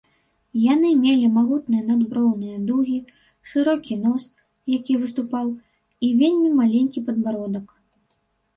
Яны мелі магутныя надброўныя дугі, шырокі нос, які выступаў і вельмі маленькі падбародак.